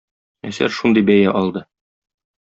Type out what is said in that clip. Әсәр шундый бәя алды.